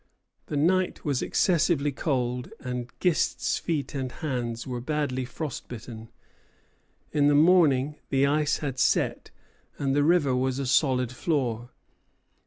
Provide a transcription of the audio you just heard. The night was excessively cold, and Gist's feet and hands were badly frost bitten. In the morning, the ice had set, and the river was a solid floor.